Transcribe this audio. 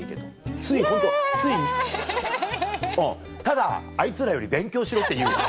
ただあいつらより勉強しろって言うわ。